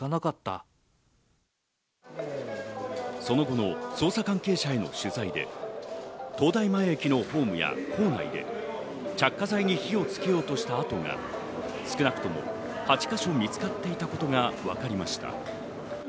その後の捜査関係者への取材で東大前駅のホームや構内で着火剤に火をつけようとした跡が少なくとも８か所、見つかっていたことがわかりました。